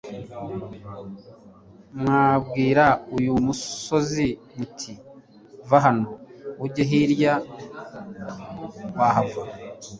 mwabwira uyu musozi muti : va hano ujye hirya », wahava.